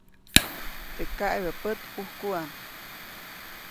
Teʼ kaʼebä pät, ʼujkuʼam.